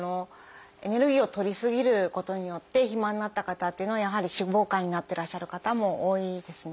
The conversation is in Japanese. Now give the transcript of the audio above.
エネルギーをとり過ぎることによって肥満になった方っていうのはやはり脂肪肝になっていらっしゃる方も多いですね。